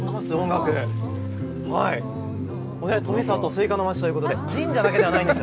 これ、富里スイカの町ということで、神社だけではないんです。